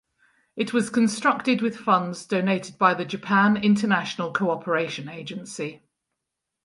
It was constructed with funds donated by the Japan International Cooperation Agency.